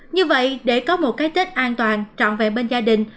như vậy để có một cái tết an toàn trọn vẹn bên gia đình